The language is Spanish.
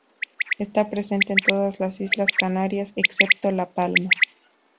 Está presente en todas las islas Canarias excepto La Palma.